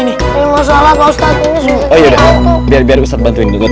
ini mau pada kemana ini